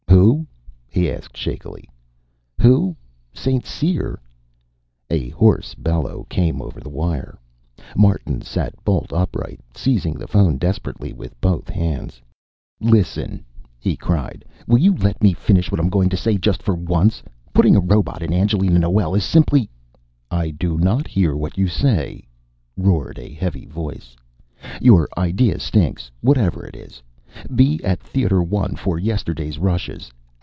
"Who?" he asked shakily. "Who? St. Cyr " A hoarse bellow came over the wire. Martin sat bolt upright, seizing the phone desperately with both hands. "Listen!" he cried. "Will you let me finish what I'm going to say, just for once? Putting a robot in Angelina Noel is simply " "I do not hear what you say," roared a heavy voice. "Your idea stinks. Whatever it is. Be at Theater One for yesterday's rushes!